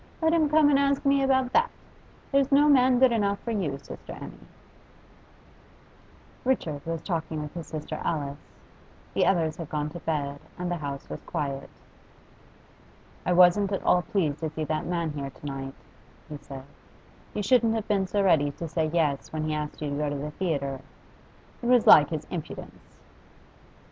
Let him come and ask me about that! There's no man good enough for you, sister Emmy.' Richard was talking with his sister Alice; the others had gone to bed, and the house was quiet. 'I wasn't at all pleased to see that man here to night,' he said. 'You shouldn't have been so ready to say yes when he asked you to go to the theatre. It was like his impudence!